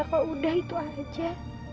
kalo udah itu aja